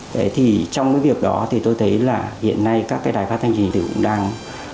đấy thì trong cái việc đó thì tôi thấy là hiện nay các cái đài phát thanh trình thì cũng đang